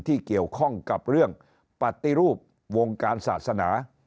ที่เกี่ยวข้องกับเรื่องปฏิรูปวงการศาสนา